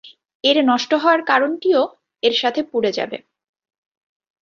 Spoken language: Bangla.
এর নষ্ট হওয়ার কারণটিও এর সাথে পুড়ে যাবে।